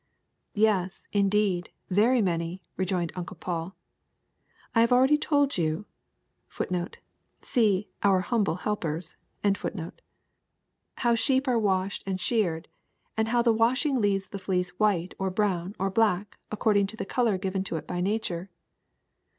"Yes, indeed, very many," rejoined Uncle Paul. "I have already told ^ you how sheep are washed and sheared, and how the washing leaves the fleece white or brown or black according to the color given to it by nature.